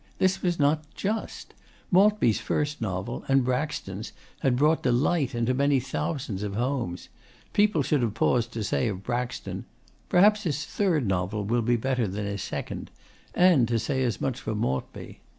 This was not just. Maltby's first novel, and Braxton's, had brought delight into many thousands of homes. People should have paused to say of Braxton "Perhaps his third novel will be better than his second," and to say as much for Maltby.